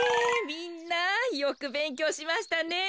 みんなよくべんきょうしましたね。